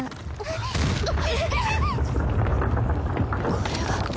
これは。